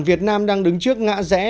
việt nam đang đứng trước ngã rẽ